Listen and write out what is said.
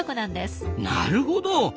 なるほど！